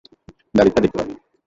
দাদীরটা দেখতে পারো।